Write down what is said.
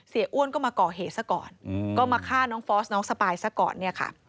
เสียอ้วนก็มาก่อเหสักก่อนก็มาฆ่าน้องฟอสน้องสปายสักก่อน